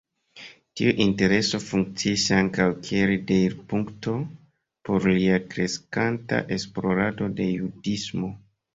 Tiu intereso funkciis ankaŭ kiel deirpunkto por lia kreskanta esplorado de judismo.